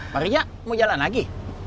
mari ya mau jalan lagi